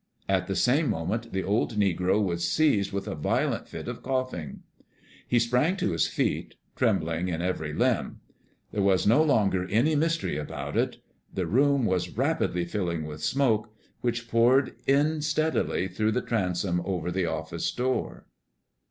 At the same moment the old negro was seized with a violent fit of coughing. He sprang to his feet, trembling in every limb. There was no longer any mystery about it; the room was rapidly filling with smoke, which poured in steadily through the transom over the office door.